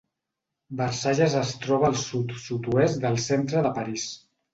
Versailles es troba al sud, sud-oest del centre de París.